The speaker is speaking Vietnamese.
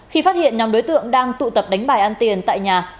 khi phát hiện nhóm đối tượng đang tụ tập đánh bài ăn tiền tại nhà